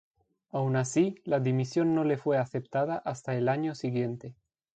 Aun así, la dimisión no le fue aceptada hasta el año siguiente.